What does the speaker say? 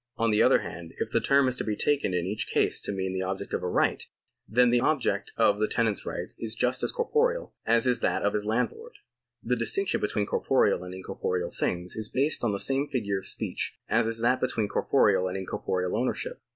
On the other hand, if the term is to be taken in each case to mean the object of a right, then the object of the tenant's right is just as corporeal as is that of his landlord. The distinction between corporeal and incorporeal things is based on the same figure of speech as is that between corporeal and incorporeal ownership.